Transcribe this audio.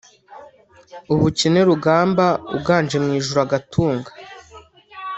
ubukene Rugaba uganje mu ijuru agatunga